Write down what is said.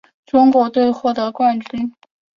中国队获得冠军。